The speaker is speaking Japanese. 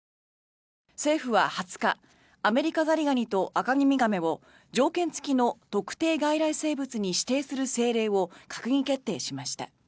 政府は２０日アメリカザリガニとアカミミガメを条件付きの特定外来生物に指定する政令を閣議決定しました。